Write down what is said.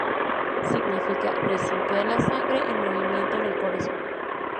Significa ‘Recinto de la sangre en movimiento en el corazón’.